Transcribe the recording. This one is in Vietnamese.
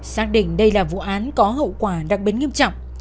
xác định đây là vụ án có hậu quả đặc biệt nghiêm trọng